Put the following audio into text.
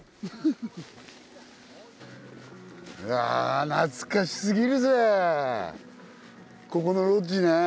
うわ懐かし過ぎるぜここのロッジね。